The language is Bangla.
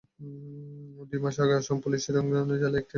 দুই মাস আগে আসাম পুলিশ চিরং জেলায় একটি জেএমবি আস্তানা গুঁড়িয়ে দেয়।